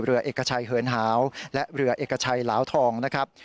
เรือเอกชัยเหินหาวและเรือเอกชัยเหลาทองนะครับ